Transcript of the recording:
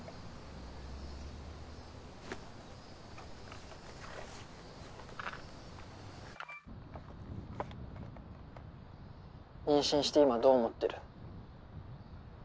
ピッ妊娠して今どう思ってる？